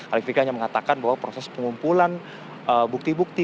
alif fikri hanya mengatakan bahwa proses pengumpulan bukti bukti